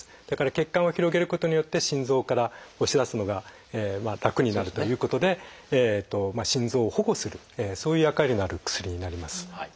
だから血管を広げることによって心臓から押し出すのが楽になるということで心臓を保護するそういう役割のある薬になります。